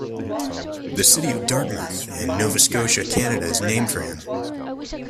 The city of Dartmouth in Nova Scotia, Canada is named for him.